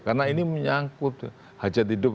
karena ini menyangkut hajat hidup